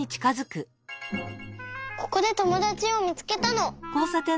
ここでともだちをみつけたの。